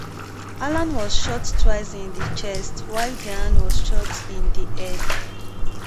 Alan was shot twice in the chest, while Diane was shot in the head.